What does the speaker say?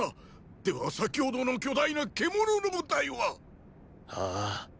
では先ほどの巨大な獣の部隊は！ああ。